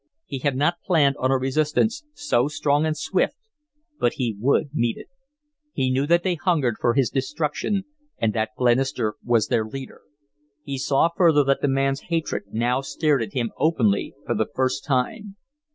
He had not planned on a resistance so strong and swift, but he would meet it. He knew that they hungered for his destruction and that Glenister was their leader. He saw further that the man's hatred now stared at him openly for the first time.